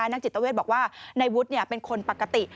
นักจิตเวทบอกว่านายวุฒิเป็นคนปกติ